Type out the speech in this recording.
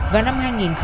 vào năm hai nghìn bốn